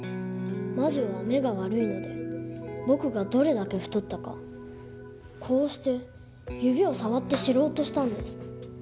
魔女は目が悪いので僕がどれだけ太ったかこうして指を触って知ろうとしたんです。